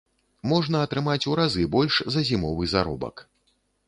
Можна атрымаць у разы больш за зімовы заробак.